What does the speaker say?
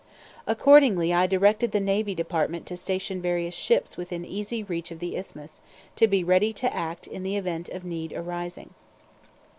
Accordingly I directed the Navy Department to station various ships within easy reach of the Isthmus, to be ready to act in the event of need arising.